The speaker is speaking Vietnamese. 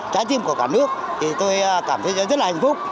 trái tim của cả nước thì tôi cảm thấy rất là hạnh phúc